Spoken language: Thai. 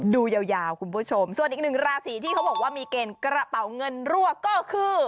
ดูยาวคุณผู้ชมส่วนอีกหนึ่งราศีที่เขาบอกว่ามีเกณฑ์กระเป๋าเงินรั่วก็คือ